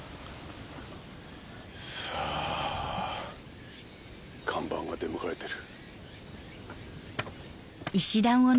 さぁ看板が出迎えてる。